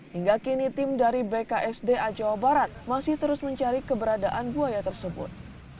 hingga kini tim dari bksda jawa barat masih terus mencari keberadaan buaya tersebut